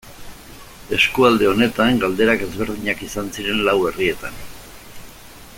Eskualde honetan galderak ezberdinak izan ziren lau herrietan.